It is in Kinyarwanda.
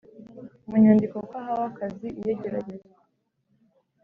mu nyandiko ko ahawe akazi Iyo igeragezwa